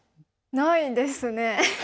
ないですね。